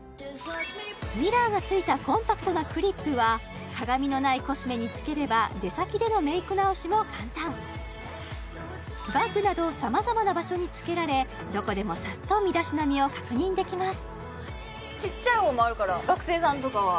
ミラーがついたコンパクトなクリップは鏡のないコスメにつければ出先でのメイク直しも簡単バッグなど様々な場所につけられどこでもサッと身だしなみを確認できます